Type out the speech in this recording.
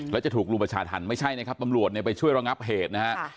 แล้วจะถูกรุมประชาธรรมไม่ใช่นะครับตำรวจเนี่ยไปช่วยระงับเหตุนะฮะ